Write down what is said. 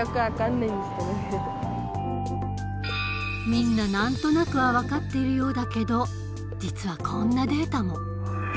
みんな何となくは分かっているようだけど実はこんなデータも。